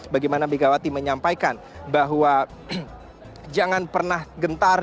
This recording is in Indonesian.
bagaimana megawati menyampaikan bahwa jangan pernah gentar